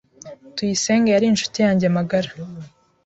Tuyisenge yari inshuti yanjye magara.